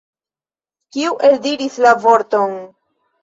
Kiu eldiris la vorton?